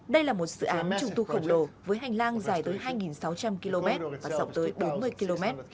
đây là một dự án trùng tu khổng lồ với hành lang dài tới hai sáu trăm linh km và rộng tới bốn mươi km